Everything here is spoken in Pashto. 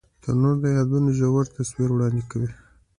تنور د یادونو ژور تصویر وړاندې کوي